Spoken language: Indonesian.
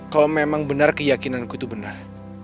kalau memang benar keyakinanku itu benar